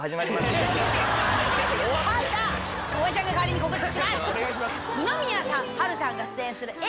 フワちゃんが代わりに告知します。